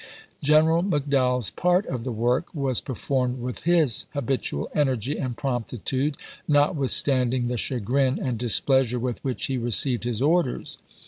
General McDowell's part of the work was per formed with his habitual energy and promptitude, notwithstanding the chagrin and displeasure with which he received his orders.